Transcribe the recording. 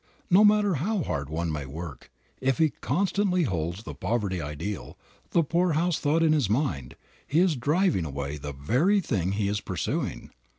No matter how hard one may work, if he constantly holds the poverty ideal, the poorhouse thought in his mind, he is driving away the very thing he is pursuing.